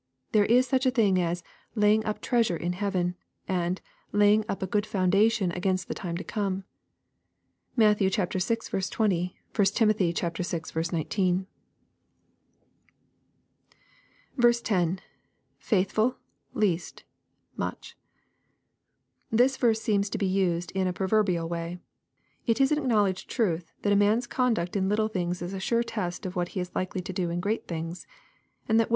There is such a thing as " laying up treasure in heaven," and "laying up a good foundation against the time to come." (Matt. vi. 20 ; 1 Tim. vi. 19.) 10. — [FaithfuL..teast...much.] This verse seems to be used in a prover bial way. It is a|i acknowledged truth, that a man's conduct in little things is a sure test of what he is likely to do in great things, and that when.